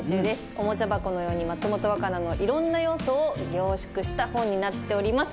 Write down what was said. おもちゃ箱のように、松本若菜のいろんな要素を凝縮した本になっております！